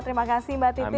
terima kasih mbak titi